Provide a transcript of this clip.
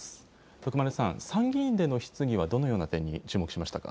徳丸さん、参議院での質疑はどのような点に注目しましたか。